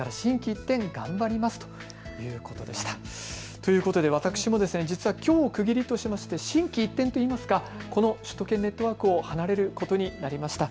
ということで私も実はきょうを区切りとしまして心機一転といいますか、この首都圏ネットワークを離れることになりました。